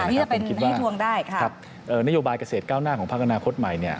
ที่จะเป็นให้ทวงได้ค่ะครับนโยบายเกษตรก้าวหน้าของภาคอนาคตใหม่